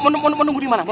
mau nunggu dimana